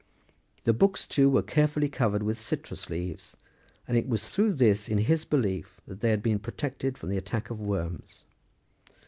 The books, too, were carefully covered with citrus leaves,31 and it was through this, in his belief, that they had been protected from the attacks of worms.'